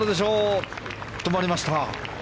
止まりました。